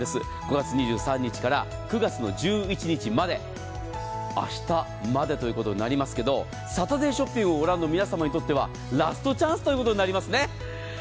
５月２３日から９月の１１日まで明日までということになりますが「サタデーショッピング」をご覧の皆さまにとってはラストチャンスということになりますね。